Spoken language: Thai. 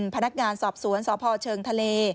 พนักงานสอบสวนสพเชิงทะเล